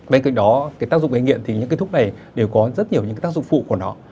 bên cạnh đó cái tác dụng kinh nghiệm thì những cái thuốc này đều có rất nhiều những cái tác dụng phụ của nó